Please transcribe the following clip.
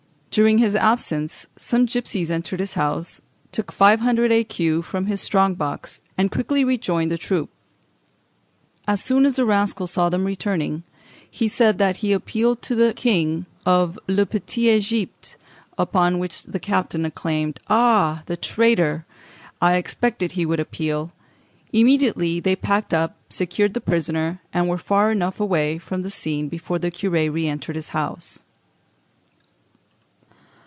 During his absence some gipsies entered his house, took five hundred écus from his strong box, and quickly rejoined the troop. As soon as the rascal saw them returning, he said that he appealed to the king of la petite Egypte, upon which the captain exclaimed, "Ah! the traitor! I expected he would appeal." Immediately they packed up, secured the prisoner, and were far enough away from the scene before the curé re entered his house.